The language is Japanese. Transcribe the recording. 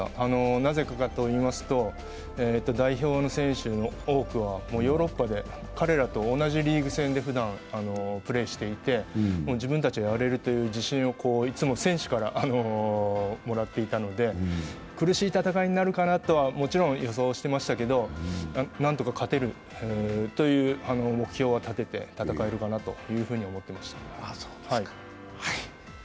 なぜかと言いますと代表の選手の多くはヨーロッパで彼らと同じリーグ戦でふだんプレーしていて自分たちはやれるという自信をいつも選手からもらっていたので、苦しい戦いになるかなとはもちろん予想してましたけど何とか勝てるという目標を立てて戦えるかなと思ってました。